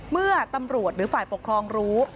เมื่อตำรวจหรือฝ่ายปกครองรู้